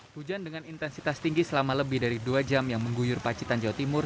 hujan dengan intensitas tinggi selama lebih dari dua jam yang mengguyur pacitan jawa timur